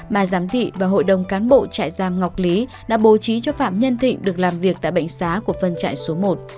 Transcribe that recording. bà giám thị và hội đồng cán bộ trại giam ngọc lý đã bố trí cho phạm nhân thịnh được làm việc tại bệnh xá của phân trại số một